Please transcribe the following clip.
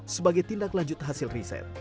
sebagai tindak lanjut hasil riset